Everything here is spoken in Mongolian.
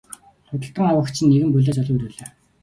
Худалдан авагч нь нэгэн булиа залуу эр байлаа.